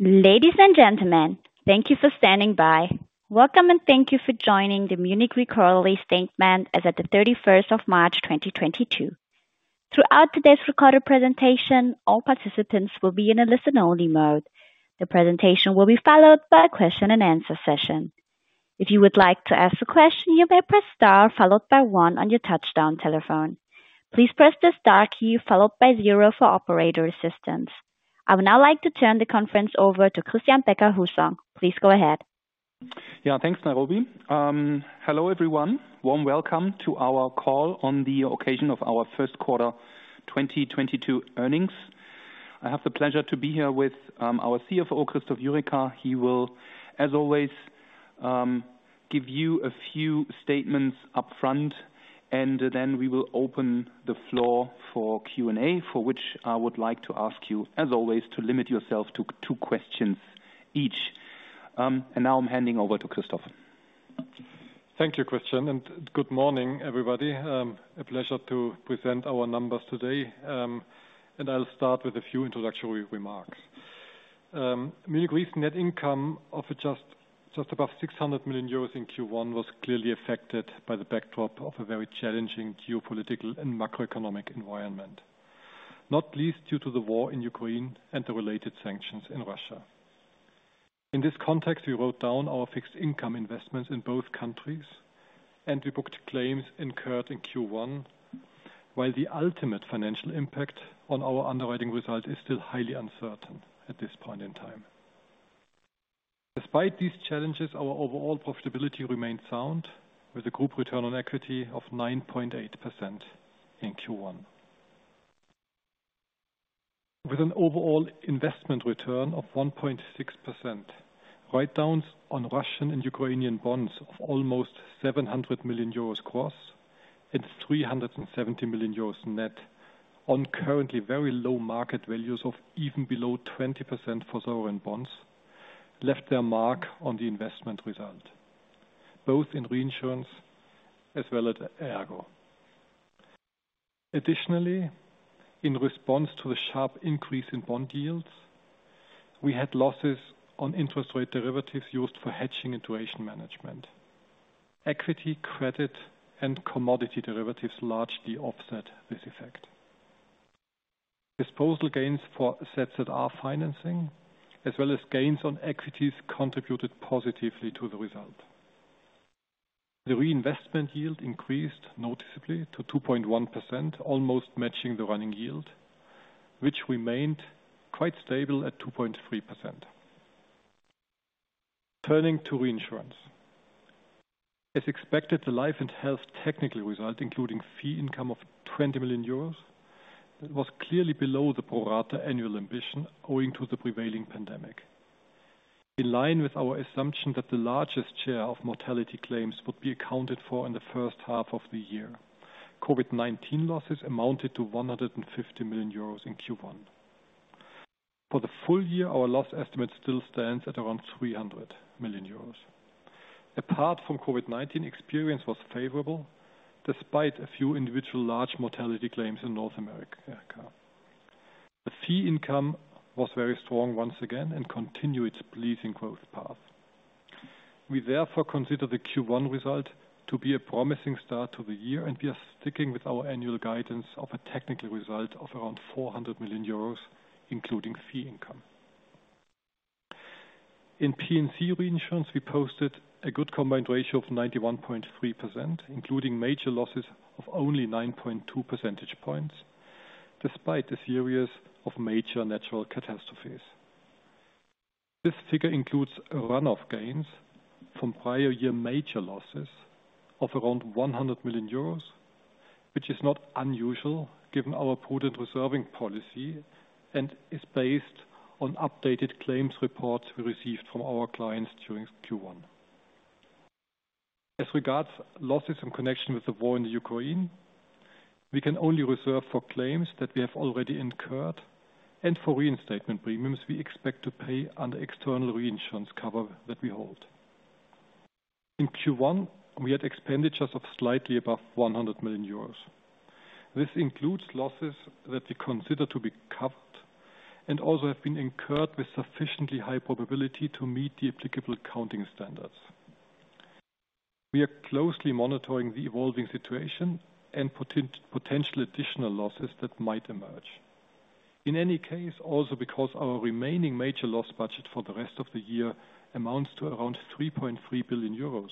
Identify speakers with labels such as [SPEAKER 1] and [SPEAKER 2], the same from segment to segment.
[SPEAKER 1] Ladies and gentlemen, thank you for standing by. Welcome, and thank you for joining the Munich Re quarterly statement as at the 31st of March 2022. Throughout today's recorded presentation, all participants will be in a listen-only mode. The presentation will be followed by a question-and-answer session. If you would like to ask a question, you may press Star followed by one on your touch-tone telephone. Please press the star key followed by zero for operator assistance. I would now like to turn the conference over to Christian Becker-Hussong. Please go ahead.
[SPEAKER 2] Yeah, thanks, Nairobi. Hello, everyone. Warm welcome to our call on the occasion of our first quarter 2022 earnings. I have the pleasure to be here with our CFO, Christoph Jurecka. He will, as always, give you a few statements up front, and then we will open the floor for Q&A, for which I would like to ask you, as always, to limit yourself to two questions each. Now I'm handing over to Christoph.
[SPEAKER 3] Thank you, Christian, and good morning, everybody. A pleasure to present our numbers today. I'll start with a few introductory remarks. Munich Re's net income of just above 600 million euros in Q1 was clearly affected by the backdrop of a very challenging geopolitical and macroeconomic environment, not least due to the war in Ukraine and the related sanctions in Russia. In this context, we wrote down our fixed income investments in both countries, and we booked claims incurred in Q1, while the ultimate financial impact on our underwriting result is still highly uncertain at this point in time. Despite these challenges, our overall profitability remains sound with a group return on equity of 9.8% in Q1. With an overall investment return of 1.6%, write-downs on Russian and Ukrainian bonds of almost 700 million euros cost, it's 370 million euros net on currently very low market values of even below 20% for sovereign bonds left their mark on the investment result, both in reinsurance as well as ERGO. Additionally, in response to a sharp increase in bond yields, we had losses on interest rate derivatives used for hedging and duration management. Equity, credit, and commodity derivatives largely offset this effect. Disposal gains for assets that are financing, as well as gains on equities, contributed positively to the result. The reinvestment yield increased noticeably to 2.1%, almost matching the running yield, which remained quite stable at 2.3%. Turning to reinsurance. As expected, the life and health technical result, including fee income of 20 million euros, that was clearly below the pro rata annual ambition, owing to the prevailing pandemic. In line with our assumption that the largest share of mortality claims would be accounted for in the first half of the year, COVID-19 losses amounted to 150 million euros in Q1. For the full year, our loss estimate still stands at around 300 million euros. Apart from COVID-19, experience was favorable, despite a few individual large mortality claims in North America. The fee income was very strong once again and continued its pleasing growth path. We therefore consider the Q1 result to be a promising start to the year, and we are sticking with our annual guidance of a technical result of around 400 million euros, including fee income. In P&C reinsurance, we posted a good combined ratio of 91.3%, including major losses of only 9.2 percentage points, despite the series of major natural catastrophes. This figure includes a run of gains from prior year major losses of around 100 million euros, which is not unusual given our prudent reserving policy and is based on updated claims reports we received from our clients during Q1. As regards losses in connection with the war in the Ukraine, we can only reserve for claims that we have already incurred and for reinstatement premiums we expect to pay under external reinsurance cover that we hold. In Q1, we had expenditures of slightly above 100 million euros. This includes losses that we consider to be covered and also have been incurred with sufficiently high probability to meet the applicable accounting standards. We are closely monitoring the evolving situation and potential additional losses that might emerge. In any case, also because our remaining major loss budget for the rest of the year amounts to around 3.3 billion euros,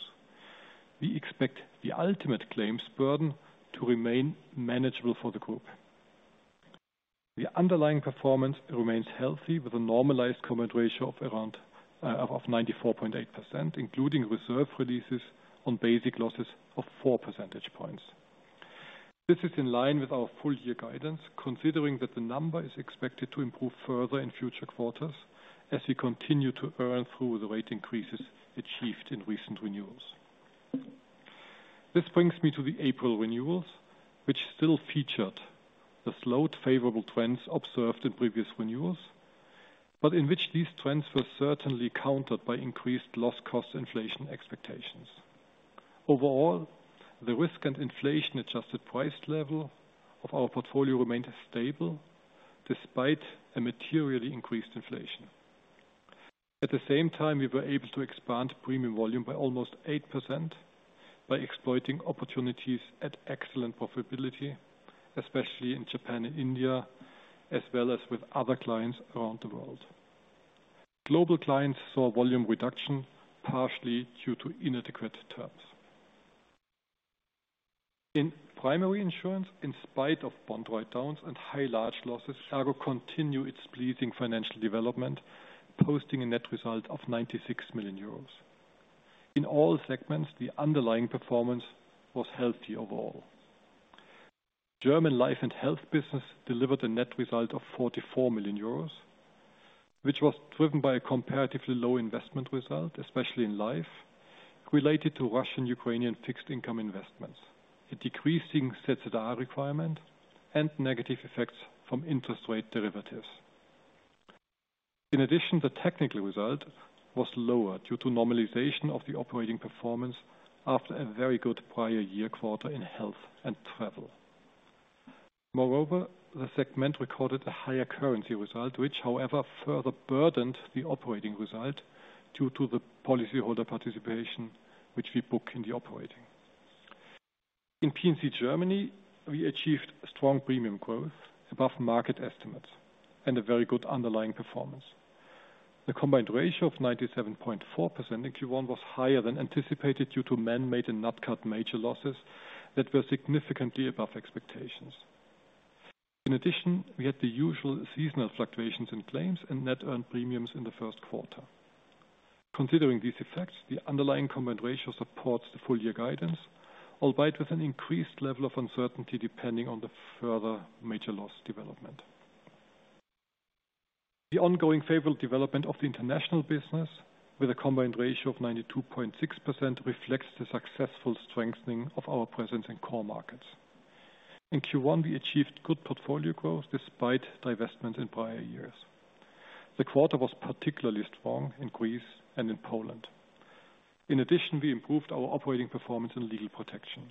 [SPEAKER 3] we expect the ultimate claims burden to remain manageable for the group. The underlying performance remains healthy with a normalized combined ratio of around 94.8%, including reserve releases on basic losses of four percentage points. This is in line with our full-year guidance, considering that the number is expected to improve further in future quarters as we continue to earn through the rate increases achieved in recent renewals. This brings me to the April renewals, which still featured the slowed, favorable trends observed in previous renewals, but in which these trends were certainly countered by increased loss cost inflation expectations. Overall, the risk and inflation adjusted price level of our portfolio remained stable despite a materially increased inflation. At the same time, we were able to expand premium volume by almost 8% by exploiting opportunities at excellent profitability, especially in Japan and India, as well as with other clients around the world. Global clients saw volume reduction partially due to inadequate terms. In primary insurance, in spite of bond write downs and high large losses, ERGO continue its pleasing financial development, posting a net result of 96 million euros. In all segments, the underlying performance was healthy overall. German life and health business delivered a net result of 44 million euros, which was driven by a comparatively low investment result, especially in life, related to Russian Ukrainian fixed income investments, a decreasing ZZR requirement and negative effects from interest rate derivatives. In addition, the technical result was lower due to normalization of the operating performance after a very good prior year quarter in health and travel. Moreover, the segment recorded a higher currency result, which, however, further burdened the operating result due to the policyholder participation which we book in the operating. In P&C Germany, we achieved a strong premium growth above market estimates and a very good underlying performance. The combined ratio of 97.4% in Q1 was higher than anticipated due to manmade and Nat Cat major losses that were significantly above expectations. In addition, we had the usual seasonal fluctuations in claims and net earned premiums in the first quarter. Considering these effects, the underlying combined ratio supports the full year guidance, albeit with an increased level of uncertainty depending on the further major loss development. The ongoing favorable development of the international business with a combined ratio of 92.6% reflects the successful strengthening of our presence in core markets. In Q1, we achieved good portfolio growth despite divestments in prior years. The quarter was particularly strong in Greece and in Poland. In addition, we improved our operating performance in legal protection.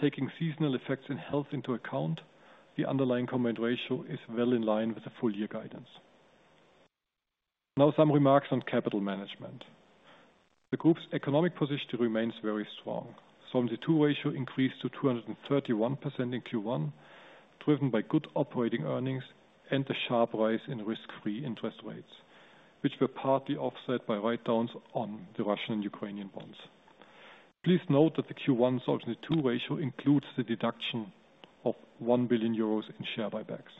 [SPEAKER 3] Taking seasonal effects and health into account, the underlying combined ratio is well in line with the full year guidance. Now some remarks on capital management. The group's economic position remains very strong. Solvency II ratio increased to 231% in Q1, driven by good operating earnings and the sharp rise in risk-free interest rates, which were partly offset by write-downs on the Russian and Ukrainian bonds. Please note that the Q1 Solvency II ratio includes the deduction of 1 billion euros in share buybacks.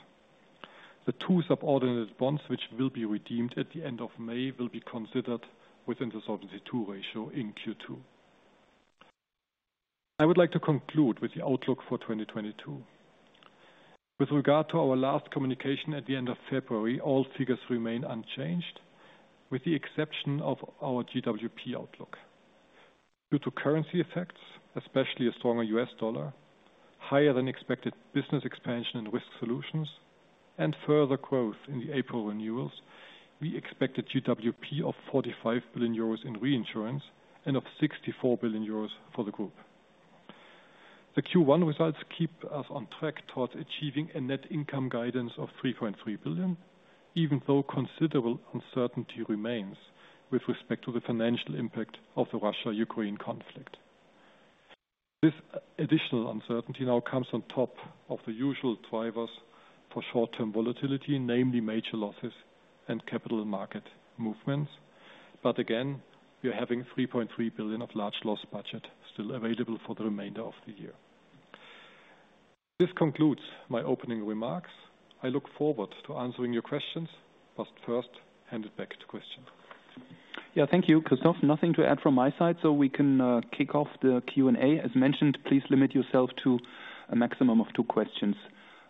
[SPEAKER 3] The two subordinate bonds which will be redeemed at the end of May will be considered within the Solvency II ratio in Q2. I would like to conclude with the outlook for 2022. With regard to our last communication at the end of February, all figures remain unchanged with the exception of our GWP outlook. Due to currency effects, especially a stronger US dollar, higher than expected business expansion and risk solutions, and further growth in the April renewals, we expect a GWP of 45 billion euros in reinsurance and of 64 billion euros for the group. The Q1 results keep us on track towards achieving a net income guidance of 3.3 billion, even though considerable uncertainty remains with respect to the financial impact of the Russia-Ukraine conflict. This additional uncertainty now comes on top of the usual drivers for short-term volatility, namely major losses and capital market movements. Again, we are having 3.3 billion of large loss budget still available for the remainder of the year. This concludes my opening remarks. I look forward to answering your questions, but first hand it back to the operator.
[SPEAKER 2] Yeah, thank you, Christoph. Nothing to add from my side, so we can kick off the Q&A. As mentioned, please limit yourself to a maximum of two questions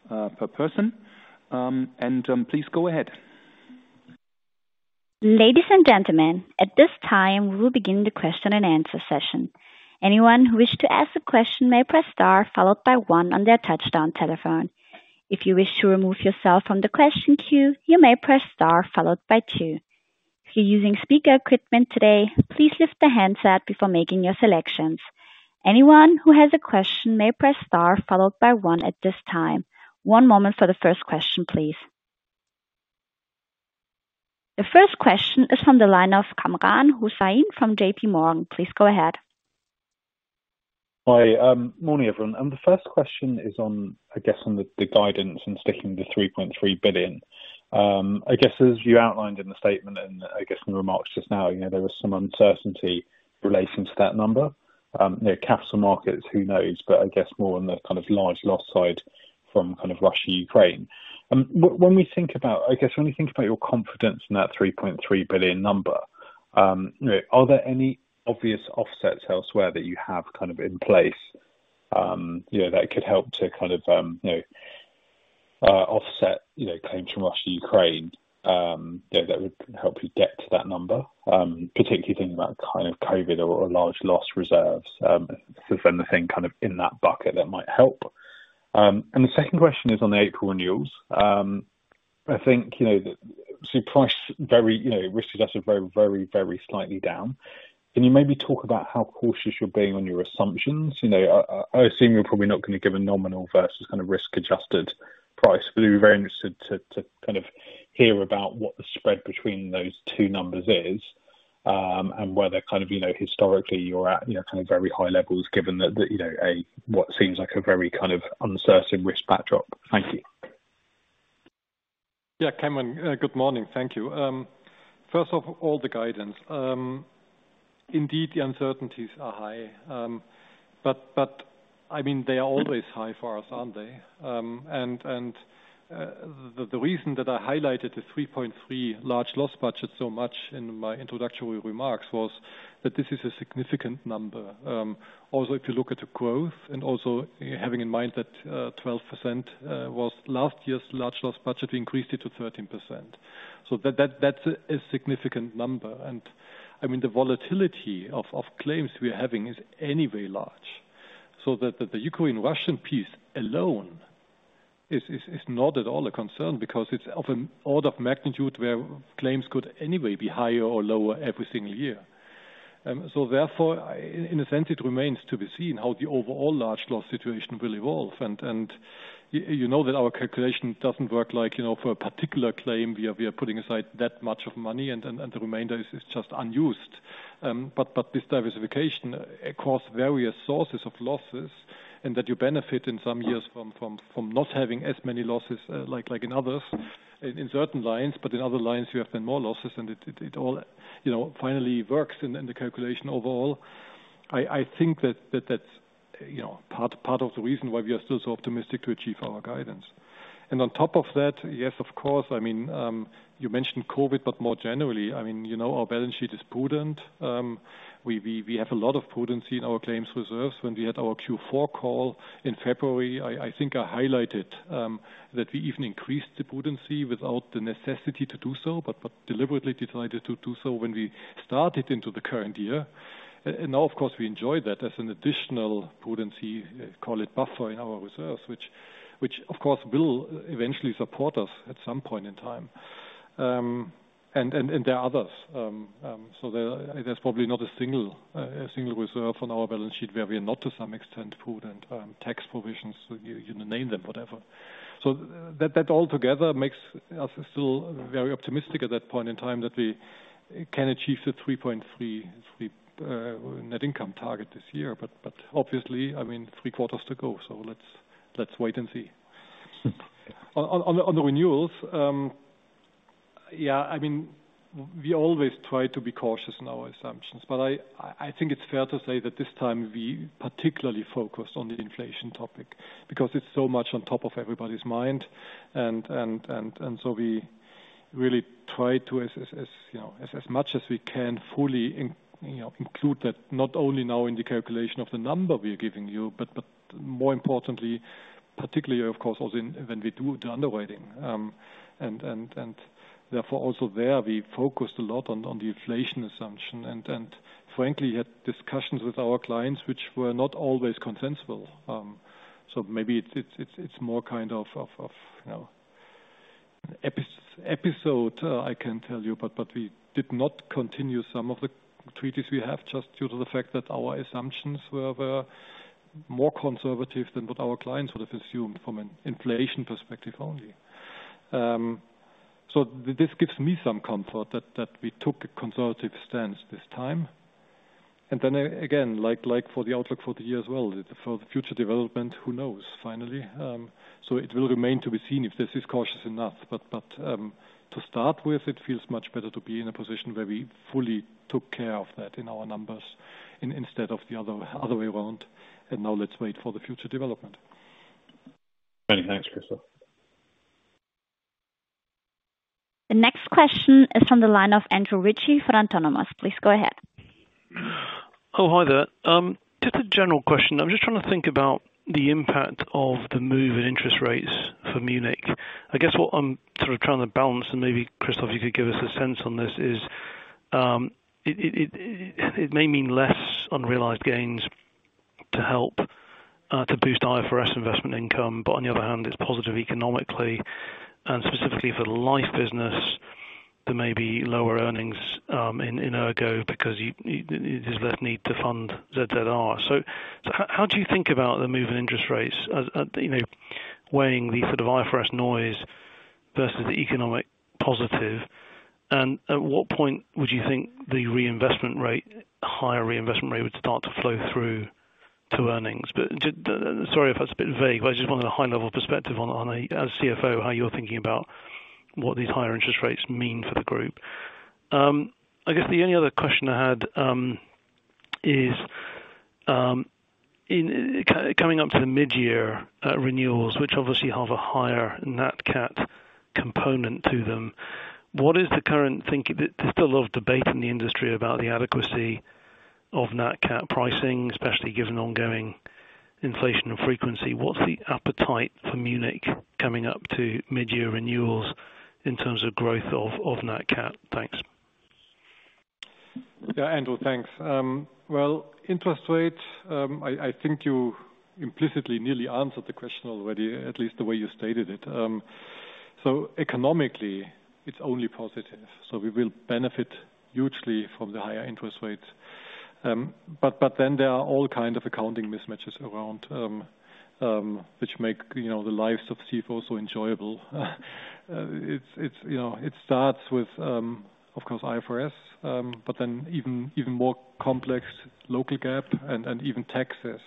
[SPEAKER 2] per person. Please go ahead.
[SPEAKER 1] Ladies and gentlemen, at this time, we will begin the question and answer session. Anyone who wishes to ask a question may press star followed by one on their touch-tone telephone. If you wish to remove yourself from the question queue, you may press star followed by two. If you're using speaker equipment today, please lift the handset before making your selections. Anyone who has a question may press star followed by one at this time. One moment for the first question, please. The first question is from the line of Kamran Hossain from JP Morgan. Please go ahead.
[SPEAKER 4] Hi. Morning, everyone. The first question is on the guidance and sticking to 3.3 billion. I guess as you outlined in the statement and I guess in the remarks just now, you know, there was some uncertainty relating to that number. You know, capital markets, who knows? I guess more on the kind of large loss side from kind of Russia, Ukraine. When we think about, I guess when you think about your confidence in that 3.3 billion number, you know, are there any obvious offsets elsewhere that you have kind of in place, you know, that could help to kind of, you know, offset, you know, claims from Russia, Ukraine, you know, that would help you get to that number, particularly thinking about kind of COVID or large loss reserves, sort of anything kind of in that bucket that might help. The second question is on the April renewals. I think you know so price very you know risk-adjusted very slightly down. Can you maybe talk about how cautious you're being on your assumptions? You know I assume you're probably not going to give a nominal versus kind of risk-adjusted price. I'd be very interested to kind of hear about what the spread between those two numbers is, and whether kind of you know historically you're at you know kind of very high levels, given that you know what seems like a very kind of uncertain risk backdrop. Thank you.
[SPEAKER 3] Yeah. Kamran Hossain, good morning. Thank you. First of all, the guidance. Indeed, the uncertainties are high. I mean, they are always high for us, aren't they? The reason that I highlighted the 3.3 large loss budget so much in my introductory remarks was that this is a significant number. Also, if you look at the growth and also having in mind that 12% was last year's large loss budget, we increased it to 13%. That's a significant number. I mean, the volatility of claims we are having is anyway large. The Ukraine-Russian piece alone is not at all a concern because it's of an order of magnitude where claims could anyway be higher or lower every single year. In a sense, it remains to be seen how the overall large loss situation will evolve. You know that our calculation doesn't work like, you know, for a particular claim, we are putting aside that much money, and the remainder is just unused. This diversification across various sources of losses and that you benefit in some years from not having as many losses, like in others, in certain lines, but in other lines you have then more losses. It all, you know, finally works in the calculation overall. I think that's, you know, part of the reason why we are still so optimistic to achieve our guidance. On top of that, yes, of course. I mean, you mentioned COVID, but more generally, I mean, you know, our balance sheet is prudent. We have a lot of prudence in our claims reserves. When we had our Q4 call in February, I think I highlighted that we even increased the prudence without the necessity to do so, but deliberately decided to do so when we started into the current year. Now of course, we enjoy that as an additional prudence, call it buffer in our reserves, which of course will eventually support us at some point in time. There are others. There's probably not a single reserve on our balance sheet where we are not to some extent prudent, tax provisions, you name them, whatever. That all together makes us still very optimistic at that point in time that we can achieve the 3.3 net income target this year. But obviously, I mean three quarters to go. Let's wait and see. On the renewals. Yeah. I mean, we always try to be cautious in our assumptions. I think it's fair to say that this time we particularly focused on the inflation topic because it's so much on top of everybody's mind. So we really try to, as you know, as much as we can fully, you know, include that not only now in the calculation of the number we are giving you, but more importantly, particularly of course, also when we do the underwriting. Therefore also there we focused a lot on the inflation assumption and frankly had discussions with our clients which were not always consensual. Maybe it's more kind of you know episode I can tell you. We did not continue some of the treaties we have just due to the fact that our assumptions were more conservative than what our clients would have assumed from an inflation perspective only. This gives me some comfort that we took a conservative stance this time. Then again, like for the outlook for the year as well, for the future development, who knows finally? It will remain to be seen if this is cautious enough. To start with, it feels much better to be in a position where we fully took care of that in our numbers instead of the other way around. Now let's wait for the future development.
[SPEAKER 4] Many thanks, Christoph.
[SPEAKER 1] The next question is from the line of Andrew Ritchie for Autonomous. Please go ahead.
[SPEAKER 5] Oh, hi there. Just a general question. I'm just trying to think about the impact of the move in interest rates for Munich Re. I guess what I'm sort of trying to balance, and maybe Christoph, you could give us a sense on this, is it may mean less unrealized gains to help to boost IFRS investment income. But on the other hand, it's positive economically and specifically for life business. There may be lower earnings in ERGO because there's less need to fund ZZR. So how do you think about the move in interest rates, you know, weighing the sort of IFRS noise versus the economic positive? And at what point would you think the reinvestment rate, higher reinvestment rate would start to flow through to earnings? Sorry if that's a bit vague, but I just wanted a high level perspective on as CFO, how you're thinking about what these higher interest rates mean for the group. I guess the only other question I had is in coming up to the mid-year renewals, which obviously have a higher Nat Cat component to them, what is the current thinking? There's still a lot of debate in the industry about the adequacy of Nat Cat pricing, especially given ongoing inflation and frequency. What's the appetite for Munich coming up to mid-year renewals in terms of growth of Nat Cat? Thanks.
[SPEAKER 3] Yeah, Andrew, thanks. Well, interest rate, I think you implicitly nearly answered the question already, at least the way you stated it. Economically, it's only positive. We will benefit hugely from the higher interest rates. Then there are all kind of accounting mismatches around, which make, you know, the lives of CFOs so enjoyable. It's, you know, it starts with, of course, IFRS, but then even more complex local GAAP and even taxes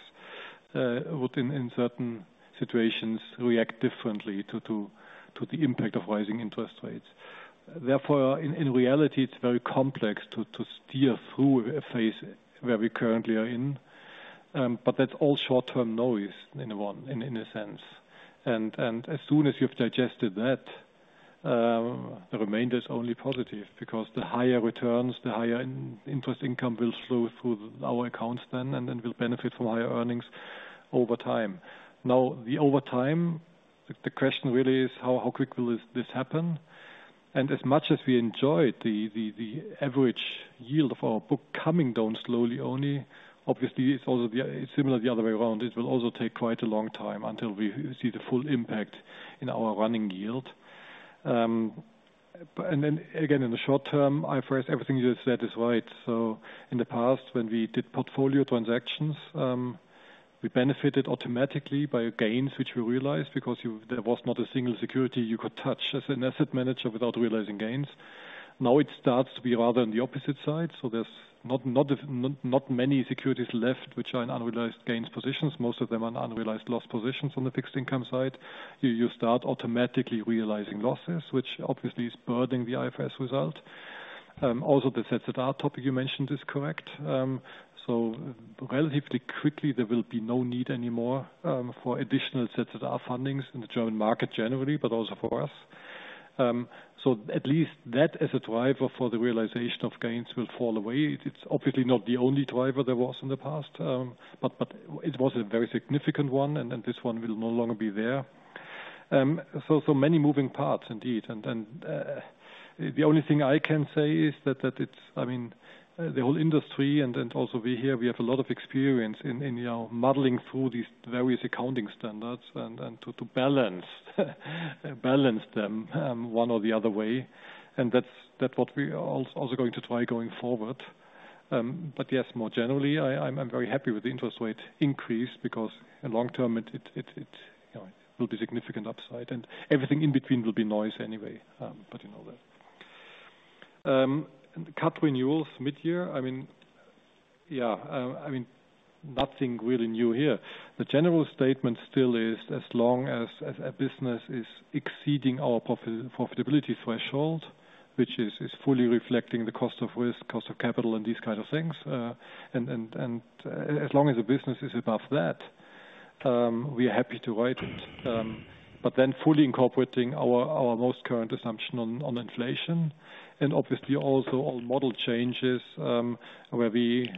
[SPEAKER 3] would in certain situations react differently to the impact of rising interest rates. Therefore, in reality it's very complex to steer through a phase where we currently are in. That's all short-term noise in one sense. As soon as you've digested that, the remainder is only positive because the higher returns, the higher interest income will flow through our accounts then, and then we'll benefit from higher earnings over time. Over time, the question really is how quick will this happen? As much as we enjoyed the average yield of our book coming down slowly only, obviously it's also similar the other way around. It will also take quite a long time until we see the full impact in our running yield. And then again, in the short term, IFRS, everything you just said is right. In the past when we did portfolio transactions, we benefited automatically by gains which we realized because there was not a single security you could touch as an asset manager without realizing gains. Now it starts to be rather on the opposite side. There's not many securities left which are in unrealized gains positions. Most of them are in unrealized loss positions on the fixed income side. You start automatically realizing losses, which obviously is burdening the IFRS result. Also the ZZR topic you mentioned is correct. Relatively quickly there will be no need anymore for additional ZZR fundings in the German market generally, but also for us. At least that as a driver for the realization of gains will fall away. It's obviously not the only driver there was in the past. It was a very significant one and this one will no longer be there. Many moving parts indeed. The only thing I can say is that it's I mean, the whole industry and also we here have a lot of experience in you know, muddling through these various accounting standards and to balance them one or the other way. That's what we are also going to try going forward. But yes, more generally I'm very happy with the interest rate increase because long term it you know will be significant upside and everything in between will be noise anyway. But you know that. Cut renewals mid-year, I mean, yeah, I mean nothing really new here. The general statement still is as long as a business is exceeding our profitability threshold, which is fully reflecting the cost of risk, cost of capital and these kind of things, and as long as the business is above that, we are happy to write it. Fully incorporating our most current assumption on inflation and obviously also on model changes, where we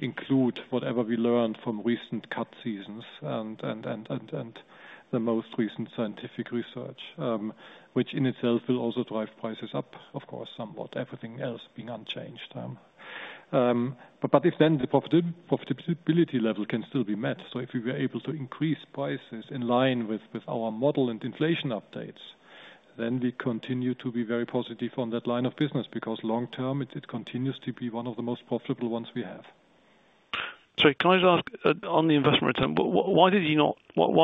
[SPEAKER 3] include whatever we learned from recent cat seasons and the most recent scientific research, which in itself will also drive prices up of course somewhat everything else being unchanged. If then the profitability level can still be met. If we were able to increase prices in line with our model and inflation updates, then we continue to be very positive on that line of business because long term it continues to be one of the most profitable ones we have.
[SPEAKER 5] Sorry, can I just ask, on the investment return, why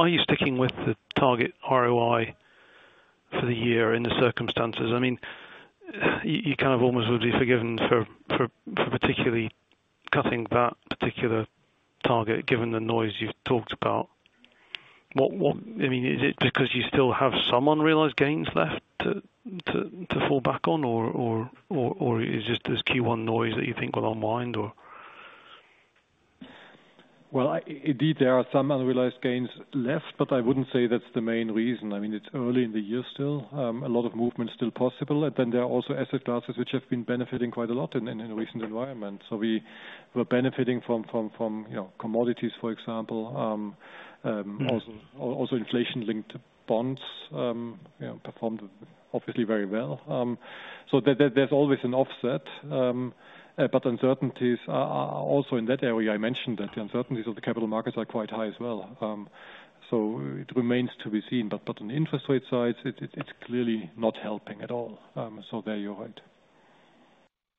[SPEAKER 5] are you sticking with the target ROI for the year in the circumstances? I mean, you kind of almost would be forgiven for particularly cutting that particular target given the noise you've talked about. I mean, is it because you still have some unrealized gains left to fall back on or is just this Q1 noise that you think will unwind or?
[SPEAKER 3] Well, indeed there are some unrealized gains left but I wouldn't say that's the main reason. I mean it's early in the year still. A lot of movement still possible and then there are also asset classes which have been benefiting quite a lot in the recent environment. We were benefiting from you know, commodities for example.
[SPEAKER 5] Mm-hmm.
[SPEAKER 3] Also, inflation-linked bonds, you know, performed obviously very well. There, there's always an offset. Uncertainties are also in that area. I mentioned that the uncertainties of the capital markets are quite high as well. It remains to be seen. On the interest rate side it's clearly not helping at all. There you're right.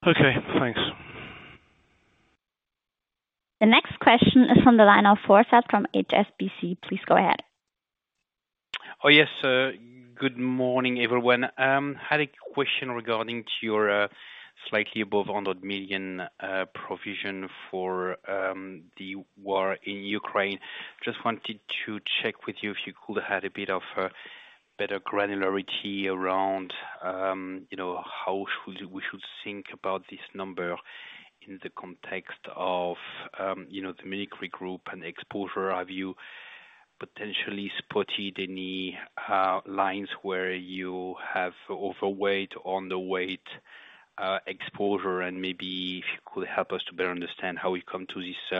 [SPEAKER 5] Okay, thanks.
[SPEAKER 1] The next question is from the line of Thomas Fossard from HSBC. Please go ahead.
[SPEAKER 6] Oh yes, good morning everyone. Had a question regarding to your slightly above 100 million provision for the war in Ukraine. Just wanted to check with you if you could add a bit of a better granularity around, you know, how we should think about this number in the context of, you know, the Munich Re group and exposure. Have you potentially spotted any lines where you have overweight, underweight, exposure and maybe if you could help us to better understand how we come to this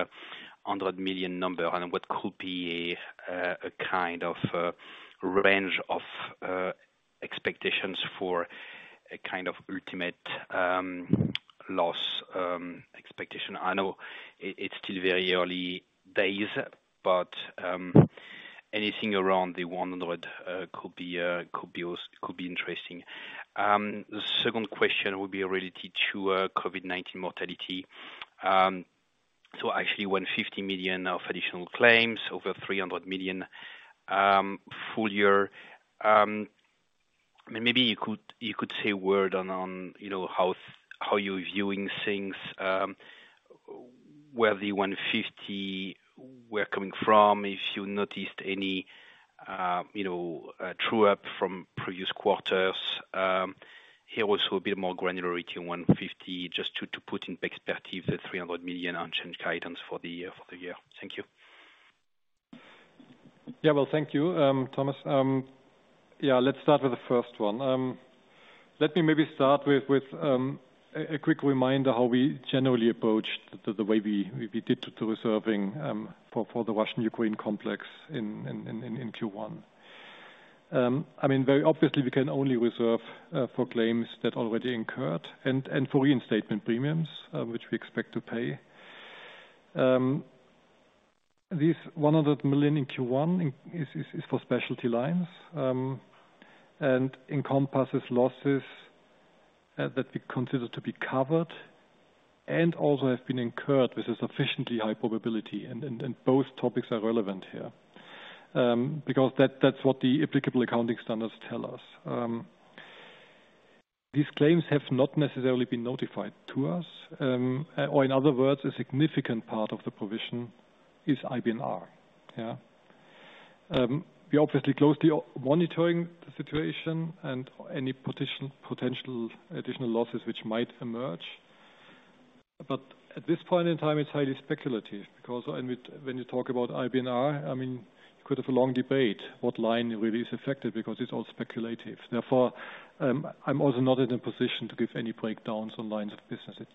[SPEAKER 6] 100 million number and what could be a kind of range of expectations for a kind of ultimate loss expectation. I know it's still very early days, but anything around 100 could be interesting. The second question would be related to COVID-19 mortality. So actually 150 million of additional claims over 300 million full year. Maybe you could say a word on, you know, how you're viewing things. Where the 150 were coming from, if you noticed any, you know, true-up from previous quarters. Here also a bit more granularity, 150, just to put in perspective the 300 million unchanged guidance for the year. Thank you.
[SPEAKER 3] Yeah. Well, thank you, Thomas. Yeah, let's start with the first one. Let me maybe start with a quick reminder how we generally approach the way we did the reserving for the Russia-Ukraine complex in Q1. I mean, very obviously, we can only reserve for claims that already incurred and for reinstatement premiums which we expect to pay. These 100 million in Q1 is for specialty lines and encompasses losses that we consider to be covered and also have been incurred with a sufficiently high probability. Both topics are relevant here because that's what the applicable accounting standards tell us. These claims have not necessarily been notified to us. In other words, a significant part of the provision is IBNR. We're obviously closely monitoring the situation and any potential additional losses which might emerge. At this point in time, it's highly speculative because when you talk about IBNR, I mean, you could have a long debate what line really is affected because it's all speculative. Therefore, I'm also not in a position to give any breakdowns on lines of businesses.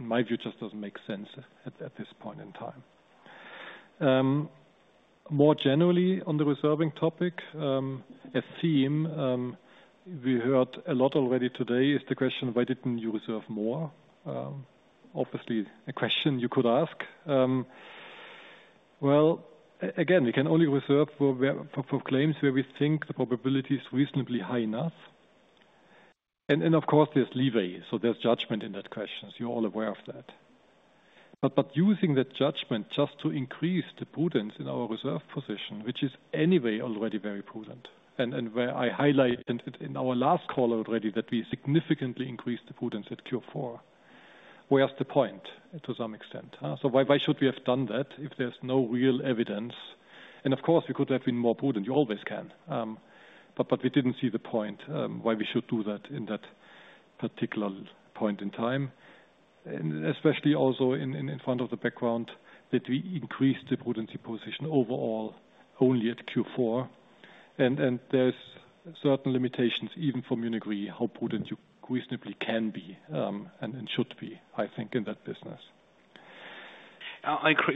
[SPEAKER 3] In my view, it just doesn't make sense at this point in time. More generally, on the reserving topic, a theme we heard a lot already today is the question, why didn't you reserve more? Obviously a question you could ask. Well, again, we can only reserve for claims where we think the probability is reasonably high enough. Of course there's leeway. There's judgment in that question, as you're all aware of that. Using that judgment just to increase the prudence in our reserve position, which is anyway already very prudent, and where I highlight in our last call already that we significantly increased the prudence at Q4. What's the point to some extent, huh? Why should we have done that if there's no real evidence? Of course, we could have been more prudent. You always can. We didn't see the point why we should do that in that particular point in time, and especially also in front of the background that we increased the prudence position overall only at Q4. There's certain limitations, even for Munich Re, how prudent you reasonably can be and should be, I think, in that business.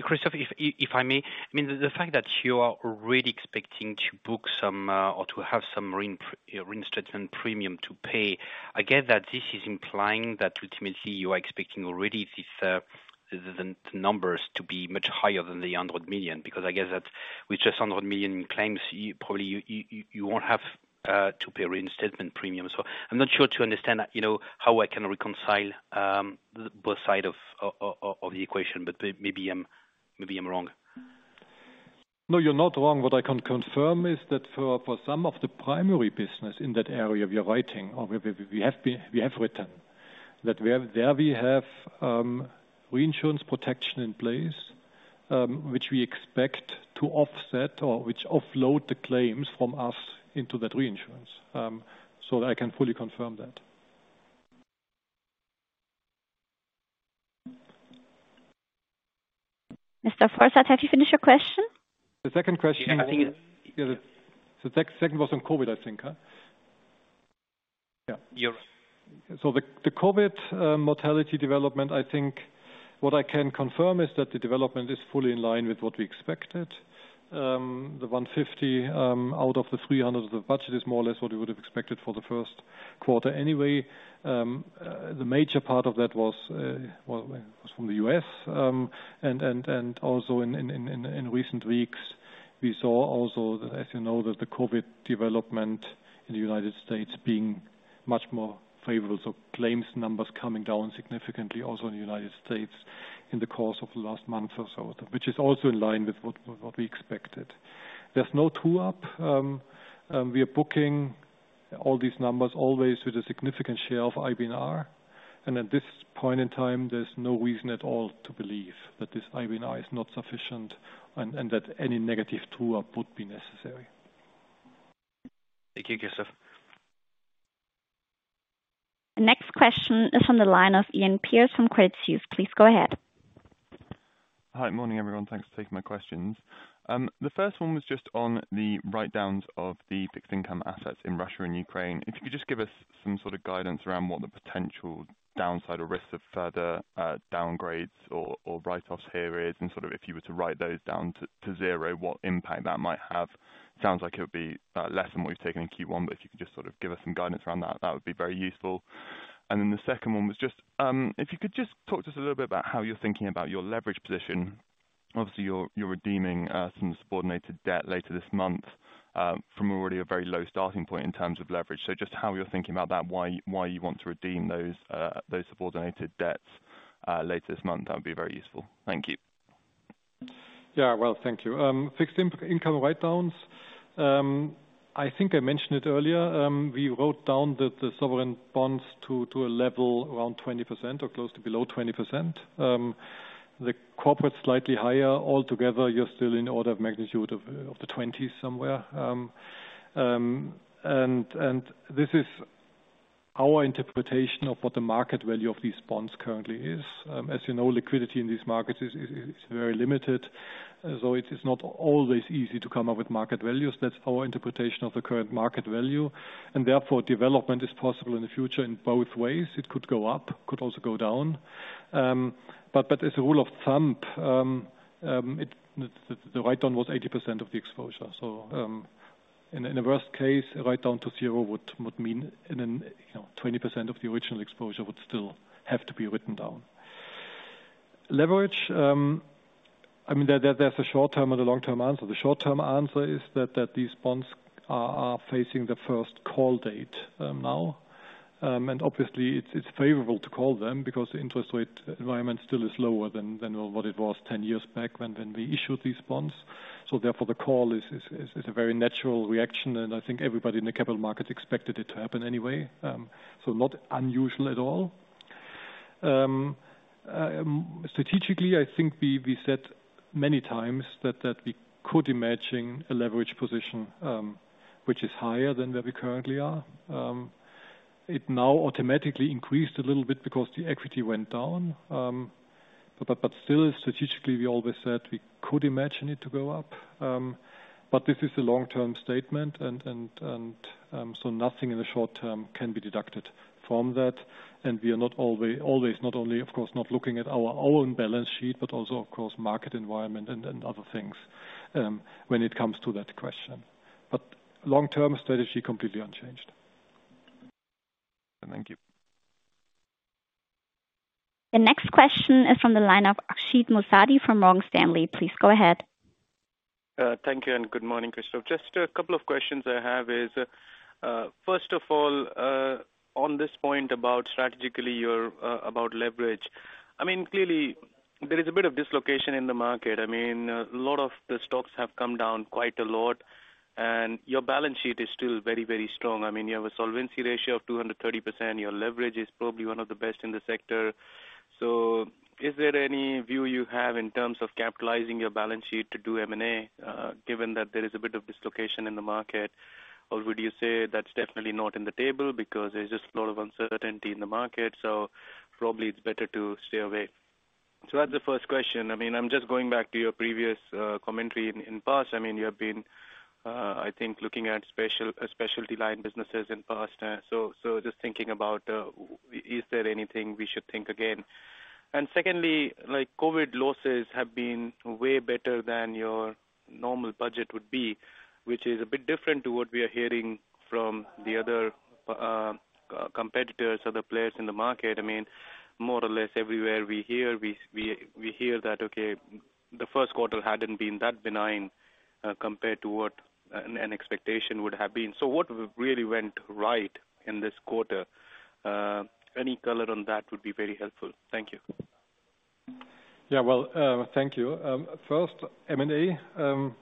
[SPEAKER 6] Christoph, if I may. I mean, the fact that you are really expecting to book some, or to have some reinstatement premium to pay, I get that this is implying that ultimately you are expecting already these, the numbers to be much higher than the 100 million, because I guess that with just 100 million in claims, you probably won't have, to pay a reinstatement premium. I'm not sure I understand, you know, how I can reconcile both sides of the equation. Maybe I'm wrong.
[SPEAKER 3] No, you're not wrong. What I can confirm is that for some of the primary business in that area we have written that we have reinsurance protection in place, which we expect to offset or which offload the claims from us into that reinsurance. I can fully confirm that.
[SPEAKER 1] Mr. Fossard, have you finished your question?
[SPEAKER 3] The second question.
[SPEAKER 6] Yeah, I think it.
[SPEAKER 3] The second was on COVID, I think. Yeah.
[SPEAKER 6] You're-
[SPEAKER 3] The COVID mortality development, I think what I can confirm is that the development is fully in line with what we expected. The 150 out of the 300 of the budget is more or less what we would have expected for the first quarter anyway. The major part of that was, well, it was from the US. And also in recent weeks, we saw also, as you know, that the COVID development in the United States being much more favorable. Claims numbers coming down significantly also in the United States in the course of the last month or so, which is also in line with what we expected. There's no true-up. We are booking all these numbers always with a significant share of IBNR. At this point in time, there's no reason at all to believe that this IBNR is not sufficient and that any negative true-up would be necessary.
[SPEAKER 6] Thank you, Christoph.
[SPEAKER 1] The next question is from the line of Iain Pearce from Credit Suisse. Please go ahead.
[SPEAKER 7] Hi. Morning, everyone. Thanks for taking my questions. The first one was just on the write-downs of the fixed income assets in Russia and Ukraine. If you could just give us some sort of guidance around what the potential downside or risk of further downgrades or write-offs here is, and sort of if you were to write those down to zero, what impact that might have. Sounds like it would be less than what you've taken in Q1, but if you could just sort of give us some guidance around that would be very useful. The second one was just if you could just talk to us a little bit about how you're thinking about your leverage position. Obviously, you're redeeming some subordinated debt later this month from already a very low starting point in terms of leverage. Just how you're thinking about that, why you want to redeem those subordinated debts later this month, that would be very useful. Thank you.
[SPEAKER 3] Yeah. Well, thank you. Fixed income write-downs, I think I mentioned it earlier. We wrote down the sovereign bonds to a level around 20% or close to below 20%. The corporate slightly higher. Altogether, you're still in order of magnitude of the 20s somewhere. This is our interpretation of what the market value of these bonds currently is. As you know, liquidity in these markets is very limited. So it is not always easy to come up with market values. That's our interpretation of the current market value, and therefore development is possible in the future in both ways. It could go up, could also go down. As a rule of thumb, the write-down was 80% of the exposure. In a worst case, a write-down to zero would mean you know, 20% of the original exposure would still have to be written down. Leverage, I mean, there's a short-term and a long-term answer. The short-term answer is that these bonds are facing the first call date now. Obviously it's favorable to call them because the interest rate environment still is lower than what it was 10 years back when we issued these bonds. Therefore, the call is a very natural reaction, and I think everybody in the capital markets expected it to happen anyway. Not unusual at all. Strategically, I think we said many times that we could imagine a leverage position which is higher than where we currently are. It now automatically increased a little bit because the equity went down. Still strategically, we always said we could imagine it to go up. This is a long-term statement and so nothing in the short term can be deducted from that. We are not always not only, of course, not looking at our own balance sheet, but also of course market environment and other things when it comes to that question. Long-term strategy, completely unchanged.
[SPEAKER 7] Thank you.
[SPEAKER 1] The next question is from the line of Ashik Musaddi from Morgan Stanley. Please go ahead.
[SPEAKER 8] Thank you, and good morning, Christoph. Just a couple of questions I have is, first of all, on this point about strategically, you're about leverage. I mean, clearly there is a bit of dislocation in the market. I mean, a lot of the stocks have come down quite a lot, and your balance sheet is still very, very strong. I mean, you have a solvency ratio of 230%. Your leverage is probably one of the best in the sector. Is there any view you have in terms of capitalizing your balance sheet to do M&A, given that there is a bit of dislocation in the market? Or would you say that's definitely not on the table because there's just a lot of uncertainty in the market, so probably it's better to stay away? That's the first question. I mean, I'm just going back to your previous commentary in past. I mean, you have been, I think looking at specialty line businesses in past. Just thinking about, is there anything we should think again? Secondly, like, COVID losses have been way better than your normal budget would be, which is a bit different to what we are hearing from the other competitors or the players in the market. I mean, more or less everywhere we hear that, okay, the first quarter hadn't been that benign compared to what an expectation would have been. What really went right in this quarter? Any color on that would be very helpful. Thank you.
[SPEAKER 3] Yeah. Well, thank you. First, M&A,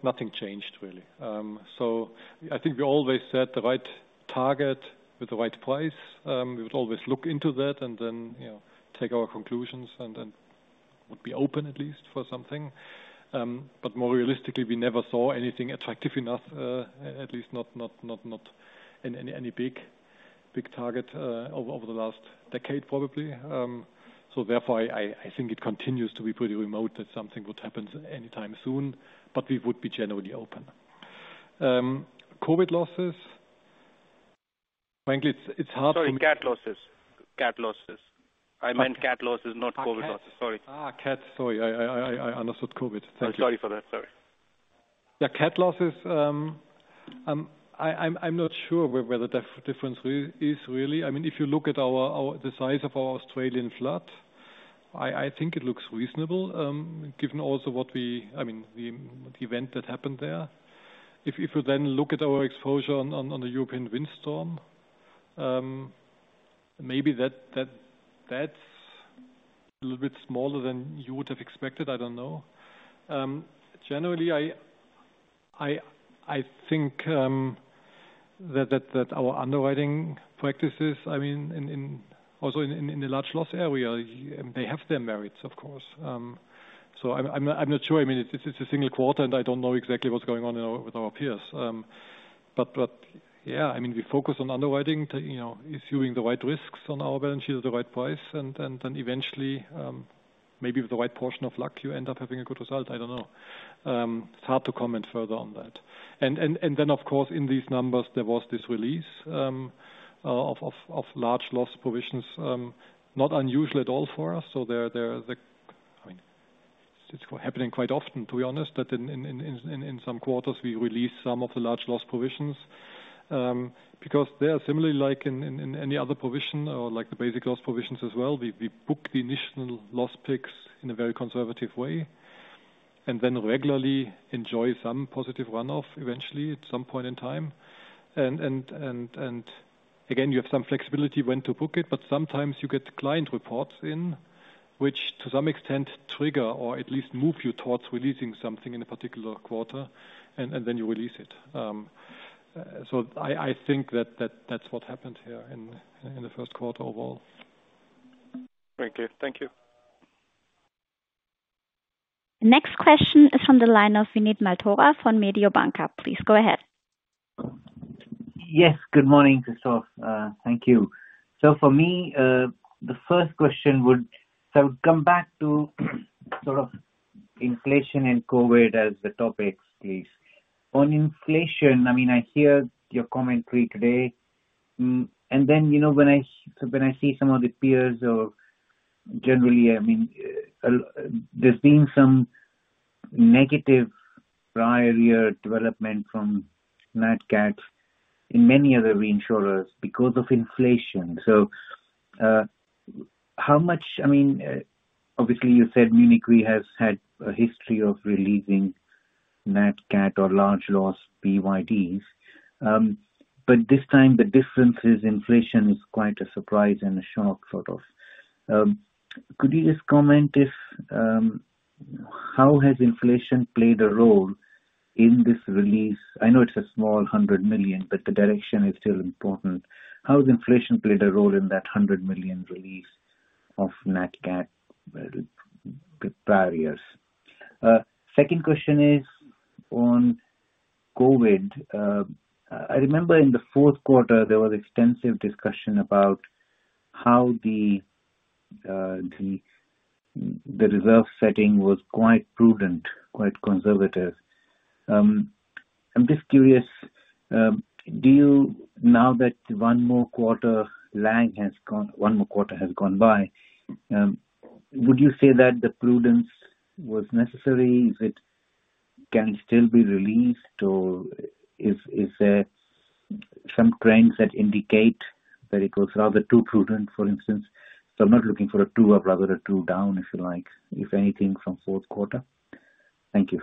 [SPEAKER 3] nothing changed really. I think we always set the right target with the right price. We would always look into that and then, you know, take our conclusions and then would be open at least for something. More realistically, we never saw anything attractive enough, at least not any big target, over the last decade, probably. Therefore, I think it continues to be pretty remote that something would happen anytime soon, but we would be generally open. COVID losses, frankly, it's hard-
[SPEAKER 8] Sorry, cat losses. I meant cat losses, not COVID losses. Sorry.
[SPEAKER 3] Nat Cat. Sorry, I understood COVID. Thank you.
[SPEAKER 8] I'm sorry for that. Sorry.
[SPEAKER 3] Yeah, cat losses, I'm not sure where the difference is really. I mean, if you look at the size of our Australian flood, I think it looks reasonable, given also, I mean, the event that happened there. If you then look at our exposure on the European windstorm, maybe that's a little bit smaller than you would have expected. I don't know. Generally, I think that our underwriting practices, I mean, in also in the large loss area, they have their merits, of course. I'm not sure. I mean, it's a single quarter, and I don't know exactly what's going on with our peers. Yeah, I mean, we focus on underwriting to, you know, issuing the right risks on our balance sheet at the right price, and then eventually, maybe with the right portion of luck, you end up having a good result. I don't know. It's hard to comment further on that. Of course, in these numbers, there was this release of large loss provisions, not unusual at all for us. They're the. I mean, it's happening quite often, to be honest, that in some quarters, we release some of the large loss provisions, because they are similarly like in any other provision or like the basic loss provisions as well. We book the initial loss picks in a very conservative way and then regularly enjoy some positive run-off eventually at some point in time. You have some flexibility when to book it, but sometimes you get client reports in which to some extent trigger or at least move you towards releasing something in a particular quarter, and then you release it. I think that that's what happened here in the first quarter overall.
[SPEAKER 8] Thank you. Thank you.
[SPEAKER 1] Next question is from the line of Vinit Malhotra from Mediobanca. Please go ahead.
[SPEAKER 9] Yes, good morning, Christoph. Thank you. For me, the first question would come back to sort of inflation and COVID as the topics, please. On inflation, I mean, I hear your commentary today. Then, you know, when I see some of the peers or generally, I mean, there's been some negative prior year development from Nat Cat in many other reinsurers because of inflation. How much I mean, obviously, you said Munich Re has had a history of releasing Nat Cat or large loss PYDs. But this time, the difference is inflation is quite a surprise and a shock, sort of. Could you just comment on how inflation has played a role in this release? I know it's a small 100 million, but the direction is still important. How has inflation played a role in that 100 million release of Nat Cat prior years? Second question is on COVID. I remember in the fourth quarter, there was extensive discussion about how the reserve setting was quite prudent, quite conservative. I'm just curious, do you know that one more quarter has gone by, would you say that the prudence was necessary? If it can still be released, or is there some trends that indicate that it was rather too prudent, for instance? I'm not looking for a 2% up rather than a 2% down, if you like, if anything, from fourth quarter. Thank you.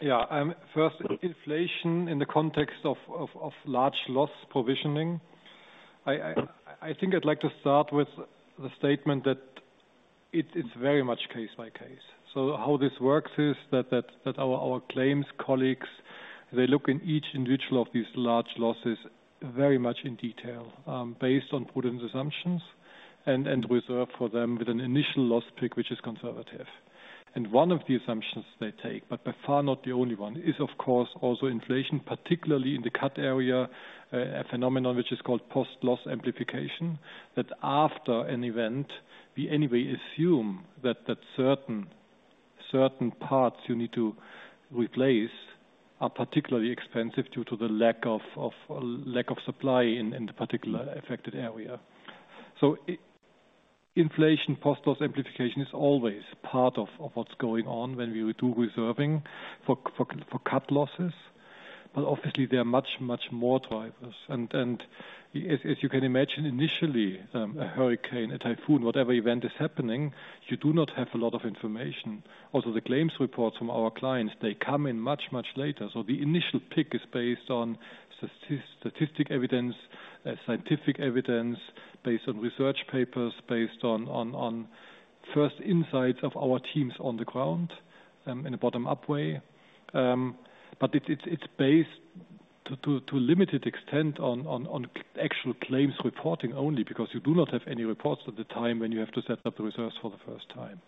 [SPEAKER 3] Yeah. First, inflation in the context of large loss provisioning. I think I'd like to start with the statement that it's very much case by case. How this works is that our claims colleagues, they look in each individual of these large losses very much in detail, based on prudent assumptions and reserve for them with an initial loss pick, which is conservative. One of the assumptions they take, but by far not the only one, is, of course, also inflation, particularly in the cat area, a phenomenon which is called post-loss amplification. That after an event, we anyway assume that certain parts you need to replace are particularly expensive due to the lack of supply in the particular affected area. Inflation post-loss amplification is always part of what's going on when we do reserving for cat losses. But obviously, there are much more drivers. As you can imagine, initially, a hurricane, a typhoon, whatever event is happening, you do not have a lot of information. Also, the claims reports from our clients, they come in much later. The initial pick is based on statistical evidence, scientific evidence, based on research papers, based on first insights of our teams on the ground, in a bottom-up way. But it's based to a limited extent on actual claims reporting only because you do not have any reports at the time when you have to set up the reserves for the first time.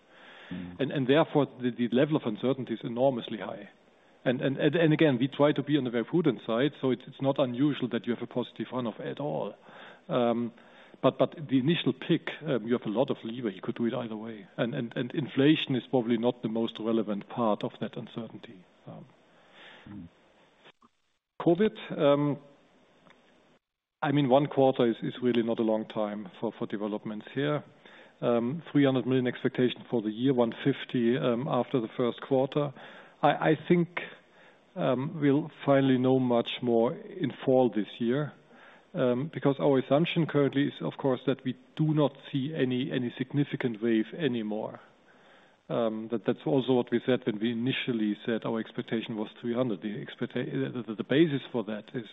[SPEAKER 9] Mm-hmm.
[SPEAKER 3] Therefore, the level of uncertainty is enormously high. Again, we try to be on the very prudent side, so it's not unusual that you have a positive run-off at all. The initial pick, you have a lot of leeway. You could do it either way. Inflation is probably not the most relevant part of that uncertainty.
[SPEAKER 9] Mm-hmm.
[SPEAKER 3] COVID-19, I mean, one quarter is really not a long time for developments here. 300 million expectation for the year, 150 million after the first quarter. I think we'll finally know much more in fall this year, because our assumption currently is, of course, that we do not see any significant wave anymore. That's also what we said when we initially said our expectation was 300 million. The basis for that is,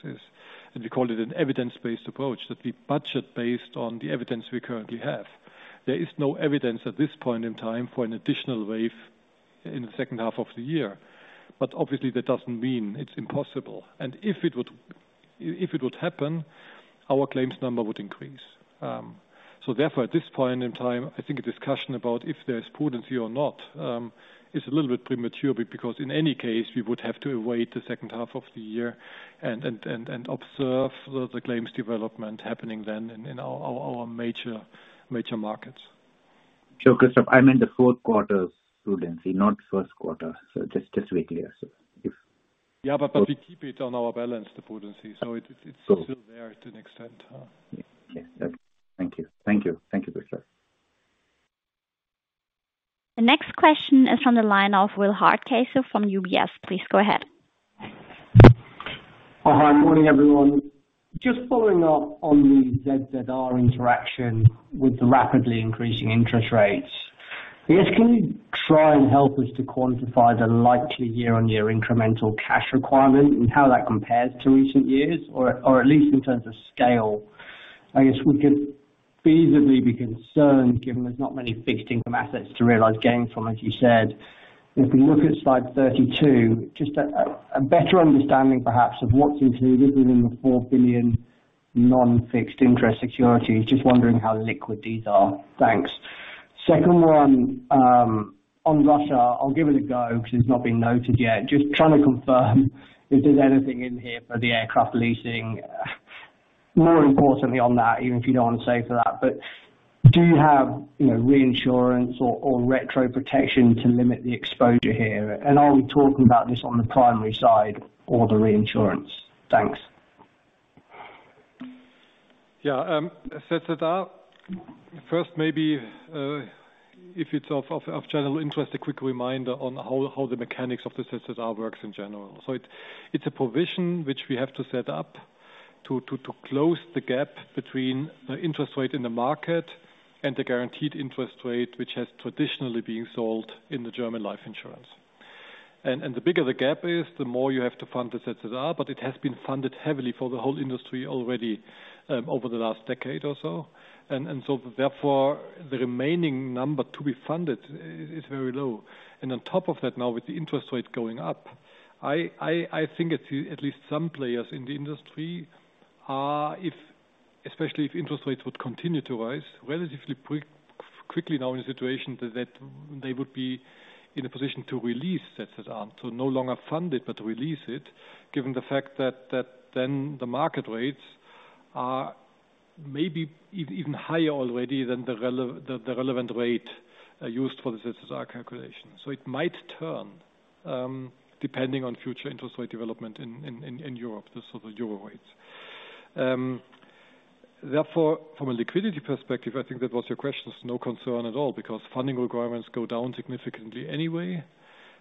[SPEAKER 3] and we call it an evidence-based approach, that we budget based on the evidence we currently have. There is no evidence at this point in time for an additional wave in the second half of the year. Obviously, that doesn't mean it's impossible. If it would happen, our claims number would increase. Therefore, at this point in time, I think a discussion about if there's prudence or not is a little bit premature. Because in any case, we would have to await the second half of the year and observe the claims development happening then in our major markets.
[SPEAKER 9] Sure, Christoph. I'm in the fourth quarter prudence, not first quarter. Just to be clear. If-
[SPEAKER 3] Yeah, we keep it on our balance, the prudence. It's still there to an extent.
[SPEAKER 9] Yeah. Okay. Thank you, Christoph.
[SPEAKER 1] The next question is from the line of Will Hardcastle from UBS. Please go ahead.
[SPEAKER 10] Oh, hi. Morning, everyone. Just following up on the ZZR interaction with the rapidly increasing interest rates. I guess, can you try and help us to quantify the likely year-on-year incremental cash requirement and how that compares to recent years? Or at least in terms of scale. I guess we could feasibly be concerned, given there's not many fixed income assets to realize gain from, as you said. If we look at slide 32, just a better understanding perhaps of what's included within the 4 billion non-fixed income securities. Just wondering how liquid these are. Thanks. Second one, on Russia. I'll give it a go because it's not been noted yet. Just trying to confirm if there's anything in here for the aircraft leasing. More importantly on that, even if you don't want to say for that, but do you have, you know, reinsurance or retro protection to limit the exposure here? And are we talking about this on the primary side or the reinsurance? Thanks.
[SPEAKER 3] Yeah, ZZR. First, maybe, if it's of general interest, a quick reminder on how the mechanics of the ZZR works in general. It it's a provision which we have to set up to close the gap between the interest rate in the market and the guaranteed interest rate, which has traditionally been sold in the German life insurance. The bigger the gap is, the more you have to fund the ZZR, but it has been funded heavily for the whole industry already, over the last decade or so. Therefore, the remaining number to be funded is very low. On top of that now, with the interest rate going up, I think at least some players in the industry are especially if interest rates would continue to rise relatively quickly now in a situation that they would be in a position to release ZZR. To no longer fund it, but release it, given the fact that then the market rates are maybe even higher already than the relevant rate used for the ZZR calculation. It might turn depending on future interest rate development in Europe, the sort of euro rates. Therefore, from a liquidity perspective, I think that was your question, it's no concern at all because funding requirements go down significantly anyway.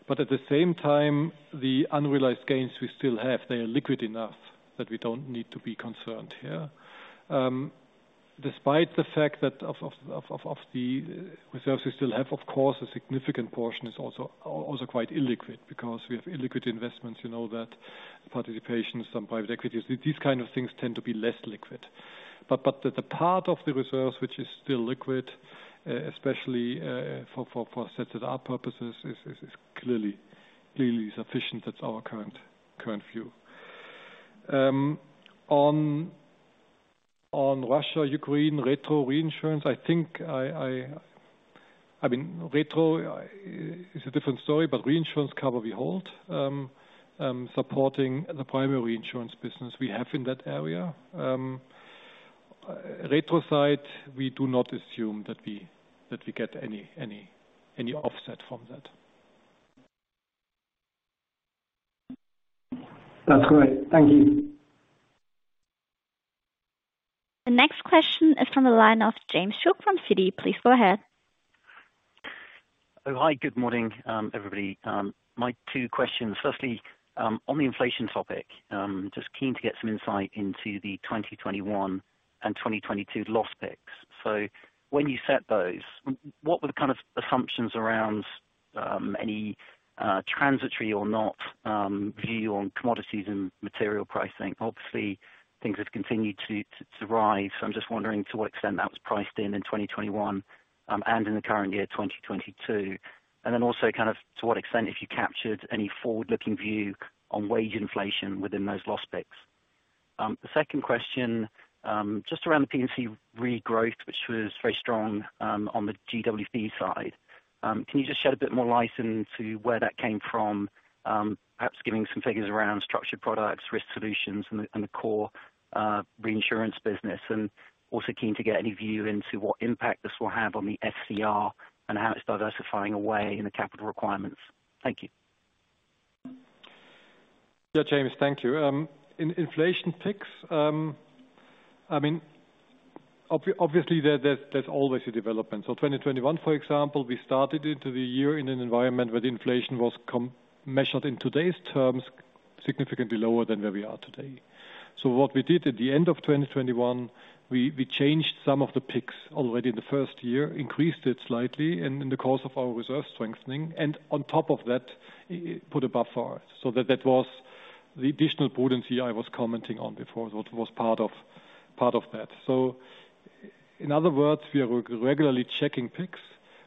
[SPEAKER 3] At the same time, the unrealized gains we still have, they are liquid enough that we don't need to be concerned here. Despite the fact that of the reserves we still have, of course, a significant portion is also quite illiquid because we have illiquid investments, you know, that participation, some private equities. These kind of things tend to be less liquid. The part of the reserves which is still liquid, especially, for ZZR purposes, is clearly sufficient. That's our current view. On Russia, Ukraine, retro reinsurance, I think I mean, retro is a different story, but reinsurance cover we hold supporting the primary reinsurance business we have in that area. Retro side, we do not assume that we get any offset from that.
[SPEAKER 10] That's great. Thank you.
[SPEAKER 1] The next question is from the line of James Shuck from Citi. Please go ahead.
[SPEAKER 11] Oh, hi. Good morning, everybody. My 2 questions. Firstly, on the inflation topic, just keen to get some insight into the 2021 and 2022 loss picks. When you set those, what were the kind of assumptions around any transitory or not view on commodities and material pricing? Obviously, things have continued to rise. I'm just wondering to what extent that was priced in in 2021 and in the current year, 2022. Also kind of to what extent, if you captured any forward-looking view on wage inflation within those loss picks. The second question, just around the P&C Re growth, which was very strong, on the GWP side. Can you just shed a bit more light into where that came from? Perhaps giving some figures around structured products, risk solutions and the core reinsurance business. Also keen to get any view into what impact this will have on the SCR and how it's diversifying away in the capital requirements. Thank you.
[SPEAKER 3] Yeah, James. Thank you. In inflation picks, I mean, obviously, there's always a development. 2021, for example, we started into the year in an environment where the inflation was measured in today's terms, significantly lower than where we are today. What we did at the end of 2021, we changed some of the picks already in the first year, increased it slightly in the course of our reserve strengthening, and on top of that, put a buffer. That was the additional prudence I was commenting on before. That was part of that. In other words, we are regularly checking picks.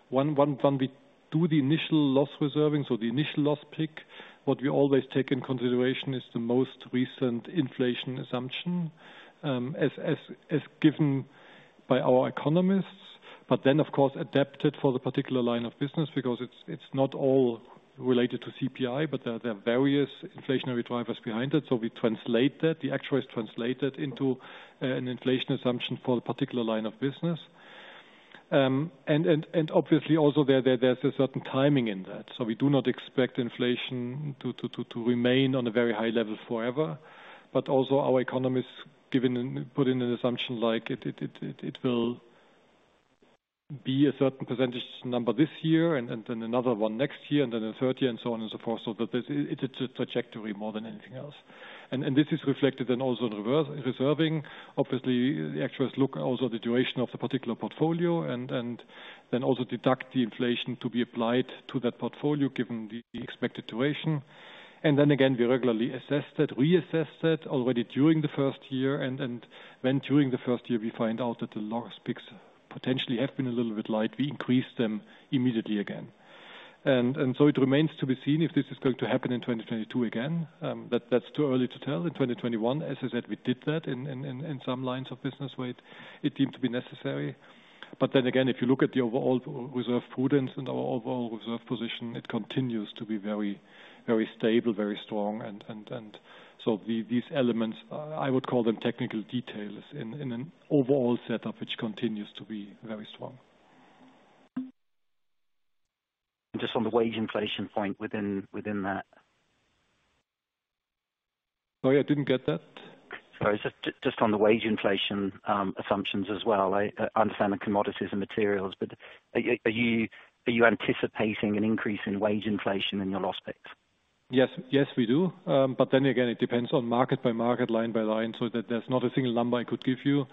[SPEAKER 3] One, we do the initial loss reserving, so the initial loss pick. What we always take into consideration is the most recent inflation assumption, as given by our economists, but then of course adapted for the particular line of business because it's not all related to CPI, but there are various inflationary drivers behind it. We translate that. The actuary is translated into an inflation assumption for the particular line of business. Obviously also there's a certain timing in that. We do not expect inflation to remain on a very high level forever. But also our economists put in an assumption like it will be a certain percentage number this year and then another one next year, and then a third year, and so on and so forth. But it's a trajectory more than anything else. This is reflected in also the reserving. Obviously, the actuaries look also at the duration of the particular portfolio and then also deduct the inflation to be applied to that portfolio given the expected duration. We regularly assess that, reassess that already during the first year. When during the first year we find out that the loss picks potentially have been a little bit light, we increase them immediately again. It remains to be seen if this is going to happen in 2022 again. That's too early to tell. In 2021, as I said, we did that in some lines of business where it deemed to be necessary. If you look at the overall reserve prudence and our overall reserve position, it continues to be very, very stable, very strong. These elements, I would call them technical details in an overall set of which continues to be very strong.
[SPEAKER 11] Just on the wage inflation point within that.
[SPEAKER 3] Sorry, I didn't get that.
[SPEAKER 11] Sorry. Just on the wage inflation assumptions as well. I understand the commodities and materials, but are you anticipating an increase in wage inflation in your loss picks?
[SPEAKER 3] Yes. Yes, we do. It depends on market by market, line by line, so that there's not a single number I could give you.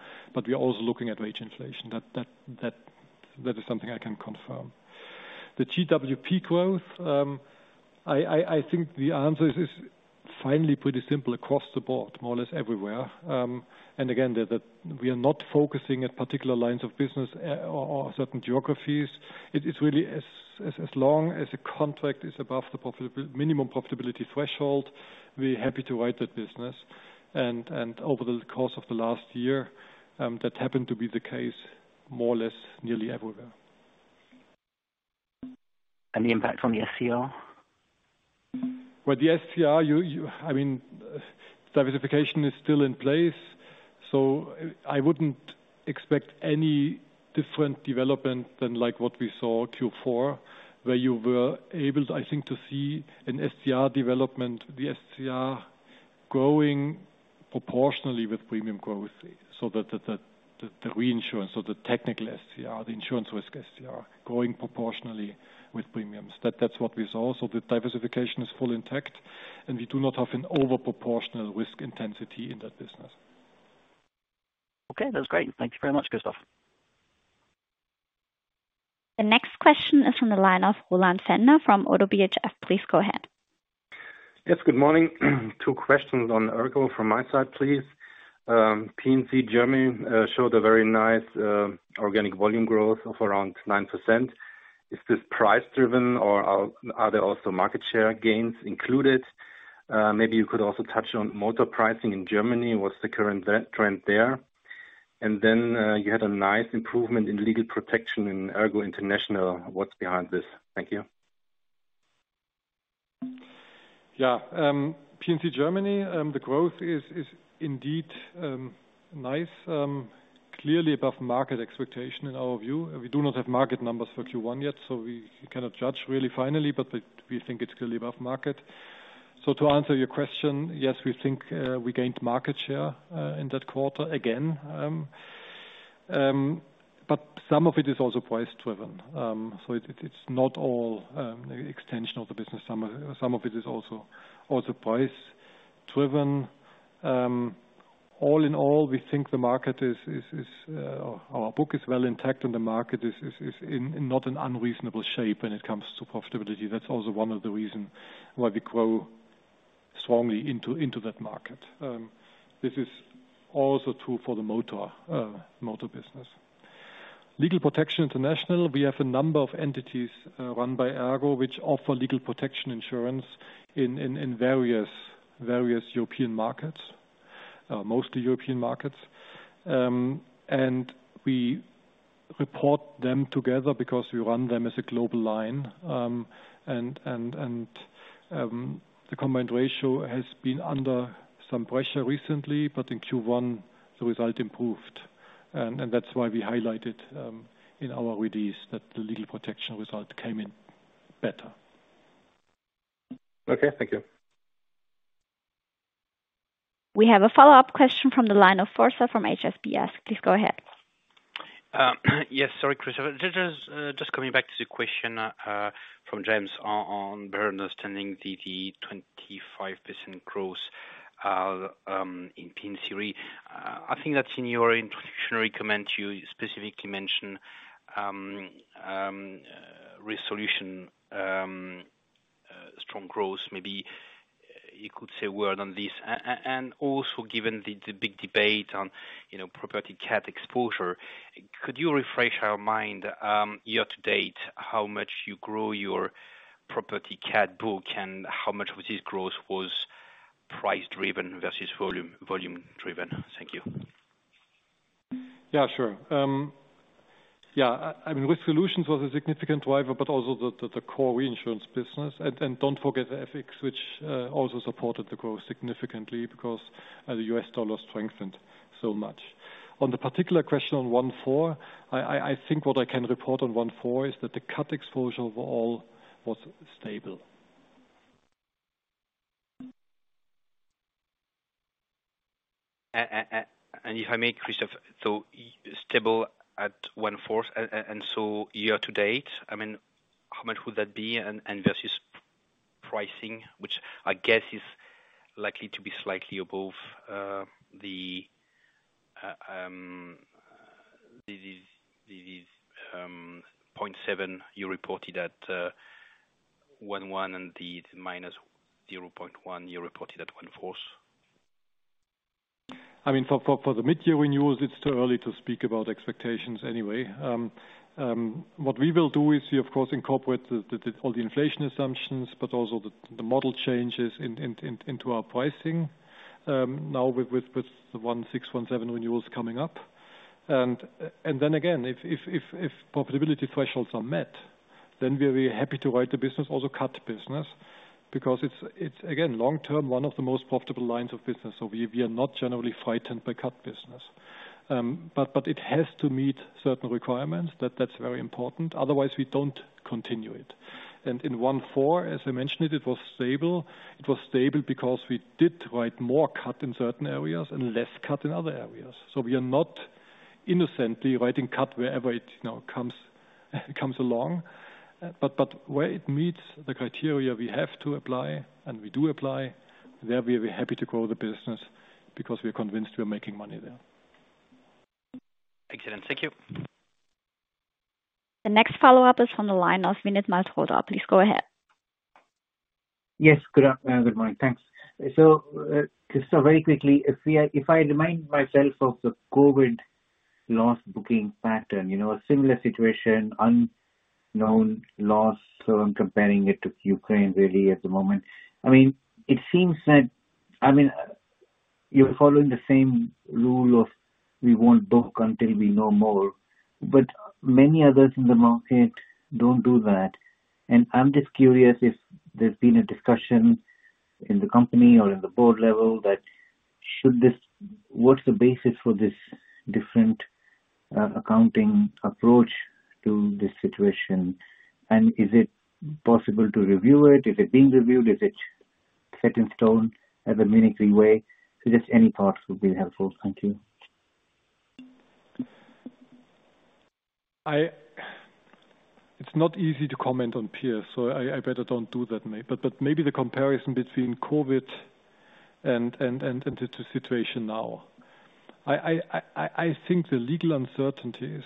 [SPEAKER 3] We are also looking at wage inflation. That is something I can confirm. The GWP growth, I think the answer is finally pretty simple across the board, more or less everywhere. We are not focusing at particular lines of business or certain geographies. It is really as long as the contract is above the minimum profitability threshold, we're happy to write that business. Over the course of the last year, that happened to be the case more or less nearly everywhere.
[SPEAKER 11] The impact from the SCR?
[SPEAKER 3] With the SCR, you—I mean, diversification is still in place, so I wouldn't expect any different development than like what we saw Q4, where you were able, I think, to see an SCR development, the SCR growing proportionally with premium growth. The reinsurance or the technical SCR, the insurance risk SCR growing proportionally with premiums. That's what we saw. The diversification is fully intact, and we do not have an over proportional risk intensity in that business.
[SPEAKER 11] Okay, that's great. Thank you very much, Christoph.
[SPEAKER 1] The next question is from the line of Roland Pfänder from ODDO BHF. Please go ahead.
[SPEAKER 12] Yes, good morning. Two questions on ERGO from my side, please. P&C Germany showed a very nice organic volume growth of around 9%. Is this price-driven or are there also market share gains included? Maybe you could also touch on motor pricing in Germany. What's the current trend there? And then, you had a nice improvement in legal protection in ERGO International. What's behind this? Thank you.
[SPEAKER 3] Yeah. P&C Germany, the growth is indeed nice. Clearly above market expectation in our view. We do not have market numbers for Q1 yet, so we cannot judge really finally, but we think it's clearly above market. To answer your question, yes, we think we gained market share in that quarter again. But some of it is also price-driven. It's not all extension of the business. Some of it is also price-driven. All in all, we think the market is our book is well intact and the market is in not an unreasonable shape when it comes to profitability. That's also one of the reason why we grow strongly into that market. This is also true for the motor business. Legal Protection International, we have a number of entities run by ERGO, which offer legal protection insurance in various European markets, mostly European markets. We report them together because we run them as a global line. The combined ratio has been under some pressure recently, but in Q1, the result improved. That's why we highlighted in our release that the legal protection result came in better.
[SPEAKER 12] Okay, thank you.
[SPEAKER 1] We have a follow-up question from the line of Thomas Fossard from HSBC. Please go ahead.
[SPEAKER 6] Yes, sorry, Christoph. Just coming back to the question from James on better understanding the 25% growth in P&C Re. I think that's in your introductory comments, you specifically mentioned resilient strong growth, maybe you could say a word on this. Also given the big debate on, you know, property cat exposure, could you refresh our mind year to date, how much you grow your property cat book, and how much of this growth was price-driven versus volume-driven? Thank you.
[SPEAKER 3] Yeah, sure. I mean, risk solutions was a significant driver, but also the core reinsurance business. Don't forget the FX, which also supported the growth significantly because the US dollar strengthened so much. On the particular question on one/four, I think what I can report on one/four is that the CAT exposure overall was stable.
[SPEAKER 6] If I may, Christoph, stable at Q1, year to date, I mean, how much would that be and versus pricing, which I guess is likely to be slightly above 0.7% you reported at Q1, and the -0.1% you reported at Q1.
[SPEAKER 3] I mean, for the mid-year renewals, it's too early to speak about expectations anyway. What we will do is we of course incorporate all the inflation assumptions, but also the model changes into our pricing, now with the 1/6, 1/7 renewals coming up. Then again, if profitability thresholds are met, then we'll be happy to write the business, also CAT business, because it's again, long-term, one of the most profitable lines of business. We are not generally frightened by CAT business. But it has to meet certain requirements. That's very important. Otherwise we don't continue it. In 1/4, as I mentioned, it was stable. It was stable because we did write more CAT in certain areas and less CAT in other areas. We are not innocently writing CAT wherever it, you know, comes along. Where it meets the criteria we have to apply, and we do apply, there we'll be happy to grow the business because we're convinced we are making money there.
[SPEAKER 6] Excellent. Thank you.
[SPEAKER 1] The next follow-up is from the line of Vinit Malhotra. Please go ahead.
[SPEAKER 9] Yes. Good morning. Thanks. Just very quickly, if I remind myself of the COVID loss booking pattern, you know, a similar situation, unknown loss, so I'm comparing it to Ukraine really at the moment. I mean, it seems that, I mean, you're following the same rule of we won't book until we know more, but many others in the market don't do that. I'm just curious if there's been a discussion in the company or in the board level that should this what's the basis for this different accounting approach to this situation? Is it possible to review it? Is it being reviewed? Is it set in stone as a Munich Re way? Just any thoughts would be helpful. Thank you.
[SPEAKER 3] It's not easy to comment on peers, so I better don't do that, but maybe the comparison between COVID and the situation now. I think the legal uncertainties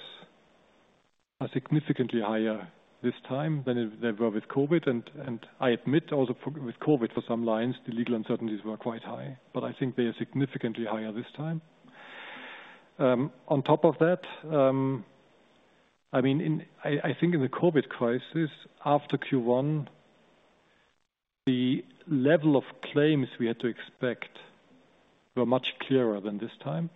[SPEAKER 3] are significantly higher this time than they were with COVID. I admit also with COVID for some lines, the legal uncertainties were quite high. I think they are significantly higher this time. On top of that, I mean, I think in the COVID crisis, after Q1, the level of claims we had to expect were much clearer than this time.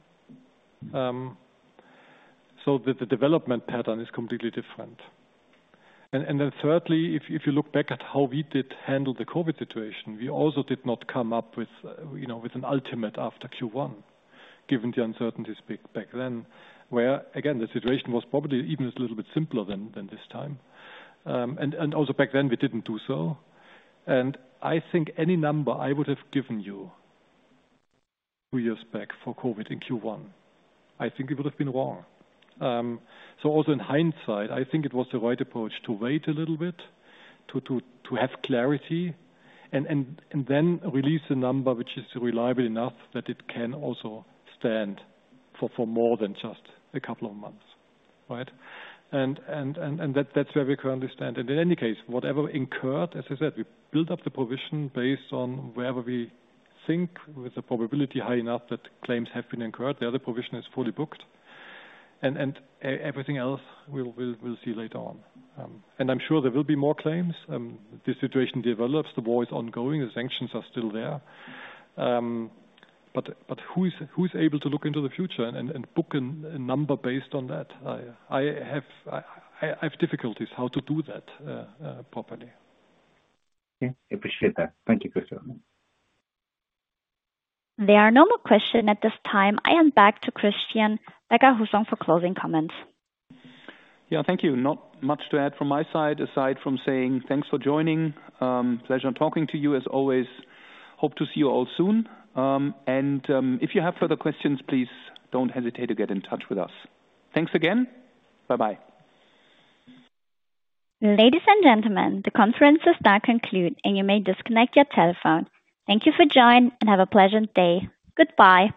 [SPEAKER 3] The development pattern is completely different. Thirdly, if you look back at how we did handle the COVID situation, we also did not come up with, you know, with an ultimate after Q1, given the uncertainties back then, where, again, the situation was probably even just a little bit simpler than this time. Also back then we didn't do so. I think any number I would've given you two years back for COVID in Q1, I think it would've been wrong. Also in hindsight, I think it was the right approach to wait a little bit to have clarity and then release a number which is reliable enough that it can also stand for more than just a couple of months, right? That's where we currently stand. In any case, whatever incurred, as I said, we build up the provision based on wherever we think with the probability high enough that claims have been incurred. The other provision is fully booked. Everything else, we'll see later on. I'm sure there will be more claims, the situation develops, the war is ongoing, the sanctions are still there. Who is able to look into the future and book a number based on that? I have difficulties how to do that properly.
[SPEAKER 9] Yeah. Appreciate that. Thank you, Christoph.
[SPEAKER 1] There are no more questions at this time. I hand back to Christian Becker-Hussong for closing comments.
[SPEAKER 2] Yeah. Thank you. Not much to add from my side, aside from saying thanks for joining. Pleasure talking to you as always. Hope to see you all soon. And, if you have further questions, please don't hesitate to get in touch with us. Thanks again. Bye-bye.
[SPEAKER 1] Ladies and gentlemen, the conference is now concluded, and you may disconnect your telephone. Thank you for joining, and have a pleasant day. Goodbye.